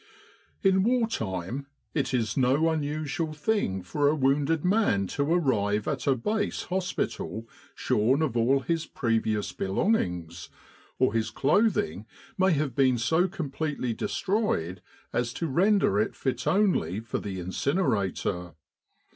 In war time it is no unusual thing for a wounded man to arrive at a base hospital shorn of all his previous belongings, or his clothing may have been so completely destroyed as to render it fit only for the incinerator.